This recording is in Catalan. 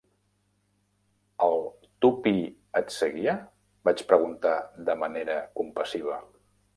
"El Tuppy et seguia?", vaig preguntar de manera compassiva.